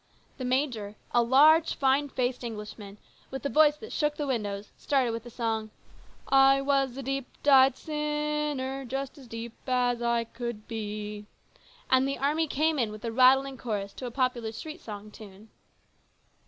The major, a large, fine faced Englishman, with a voice that shook the windows, started with the song, " I was a deep dyed sinner, Just as deep as I could be," and the army came in with a rattling chorus to a popular street song tune.